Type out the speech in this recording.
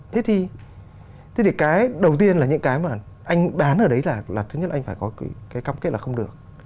thế thì cái đầu tiên là những cái mà anh bán ở đấy là thứ nhất anh phải có cái cam kết là không được